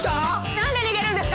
何で逃げるんですか？